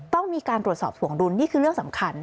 ต้องมีการตรวจสอบถวงดุลนี่คือเรื่องสำคัญ